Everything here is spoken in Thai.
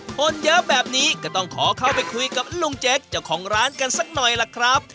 คนเยอะแบบนี้ก็ต้องขอเข้าไปคุยกับลุงเจ๊กเจ้าของร้านกันสักหน่อยล่ะครับ